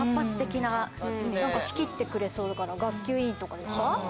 仕切ってくれそうだから学級委員とかですか。